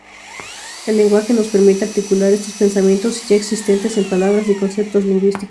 El lenguaje nos permite articular estos pensamientos ya existentes en palabras y conceptos lingüísticos.